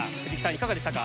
いかがでしたか？